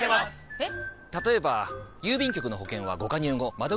えっ⁉